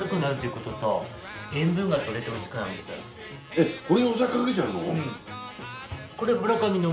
これにお酒かけちゃうの？